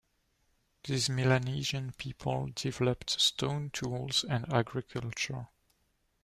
These Melanesian people developed stone tools and agriculture.